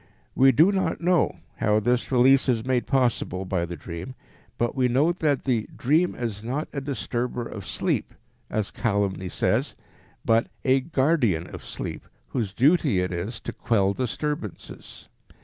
We do not know how this release is made possible by the dream, but we note that the dream is not a disturber of sleep, as calumny says, but a guardian of sleep, whose duty it is to quell disturbances.